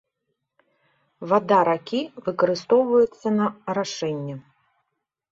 Вада ракі выкарыстоўваецца на арашэнне.